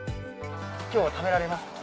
今日は食べられますか？